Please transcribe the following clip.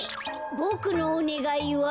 ボクのおねがいは。